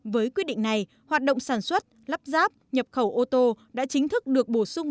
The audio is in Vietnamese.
với quyết định này hoạt động sản xuất lắp ráp nhập khẩu ô tô đã chính thức được bổ sung